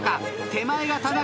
手前が田中。